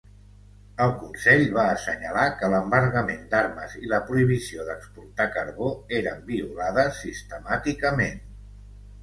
El Consell va assenyalar que l'embargament d'armes i la prohibició d'exportar carbó eren violades sistemàticament.